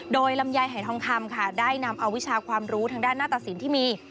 โดยลำไยหายทองคำค่ะได้นำเอาวิชาความรู้ทางด้านหน้าตสินที่มี